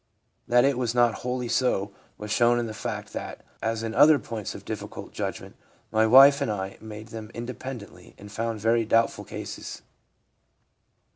That it was not wholly so was shown in the fact that, as in other points of difficult judgment, my wife and I made them inde pendently, and found very few doubtful cases.